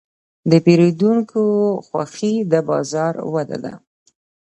د پیرودونکي خوښي د بازار وده ده.